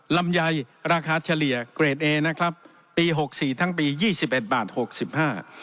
ลำไยราคาเฉลี่ยเกรดเอนะครับปีหกสี่ทั้งปียี่สิบเอ็ดบาทหกสิบห้า